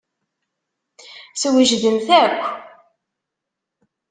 Twejdemt akk.